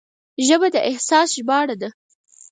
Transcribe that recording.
ژبه د احساس ژباړه ده